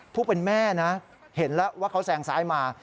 ผู้เป็นแม่นะเห็นแล้วว่าเขาแซงซ้ายมา